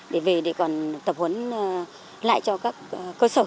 để về để còn tập huấn lại cho các cơ sở